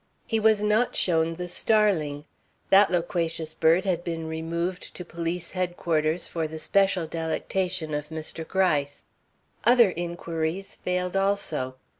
He was not shown the starling. That loquacious bird had been removed to police headquarters for the special delectation of Mr. Gryce. Other inquiries failed also.